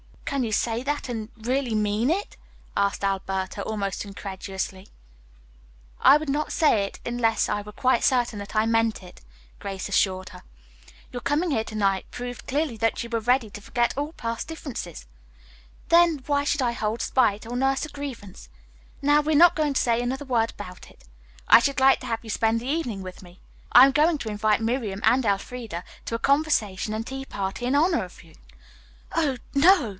'" "Can you say that and really mean it?" asked Alberta almost incredulously. "I would not say it unless I were quite certain that I meant it," Grace assured her. "Your coming here to night proved clearly that you were ready to forget all past differences. Then, why should I hold spite or nurse a grievance? Now, we are not going to say another word about it. I should like to have you spend the evening with me. I am going to invite Miriam and Elfreda to a conversation and tea party in honor of you." "Oh, no!"